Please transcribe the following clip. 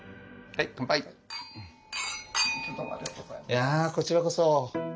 いやこちらこそ。